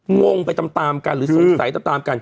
งงไปตามตามกันหรือสวยใสตามตามกัน